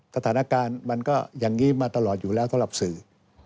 สถานการณ์มันก็อย่างนี้มาตลอดอยู่แล้วสำหรับสื่อ